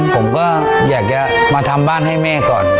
ผมก็อยากจะมาทำบ้านให้แม่ก่อน